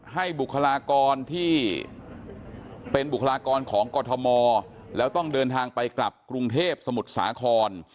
บุคลากรที่เป็นบุคลากรของกรทมแล้วต้องเดินทางไปกลับกรุงเทพสมุทรสาคร